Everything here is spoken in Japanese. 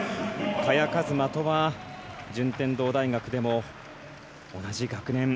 萱和磨とは順天堂大学でも同じ学年。